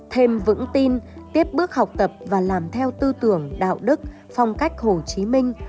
thêm vững tin tiếp bước học tập và làm theo tư tưởng đạo đức phong cách hồ chí minh